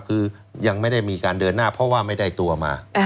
คือยังไม่ได้มีการเดินหน้าเพราะว่าไม่ได้ตัวมา